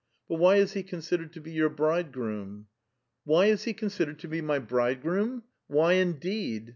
But why is he considered to be your bridegroom?" '• Why is he considered to be my bridegroom? why, indeed?